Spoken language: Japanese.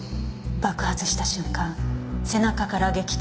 爆発した瞬間背中から激突した。